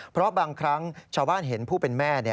เพราะบางครั้งชาวบ้านเห็นผู้เป็นแม่